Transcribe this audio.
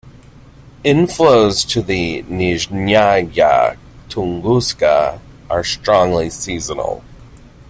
Inflows to the "Nizhnyaya Tunguska" are strongly seasonal.